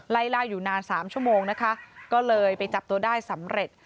ไล่ล่าอยู่นานสามชั่วโมงนะคะก็เลยไปจับตัวได้สำเร็จ